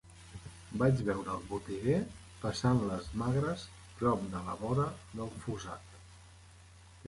Vaig veure el botiguer passant-les magres prop de la vora del fossat.